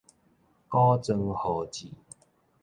古莊號誌